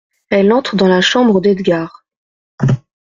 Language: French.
Elle entre dans la chambre d’Edgard.